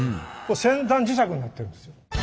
先端磁石になってるんですよ。